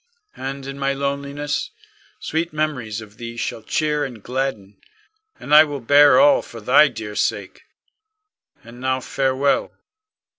And in my loneliness, sweet memories of thee shall cheer and gladden, and I will bear all for thy dear sake. And now farewell.